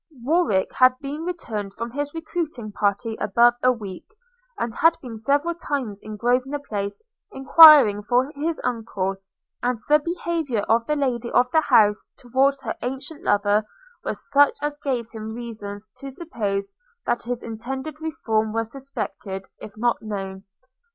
Warwick had been returned from his recruiting party above a week, and had been several times in Grosvenor Place enquiring for his uncle; and the behaviour of the lady of the house towards her ancient lover was such as gave him great reasons to suppose that his intended reform was suspected, if not known.